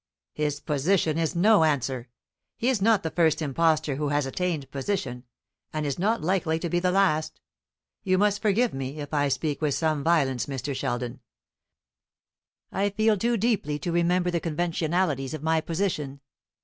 "His position is no answer. He is not the first impostor who has attained position, and is not likely to be the last. You must forgive me, if I speak with some violence, Mr. Sheldon. I feel too deeply to remember the conventionalities of my position.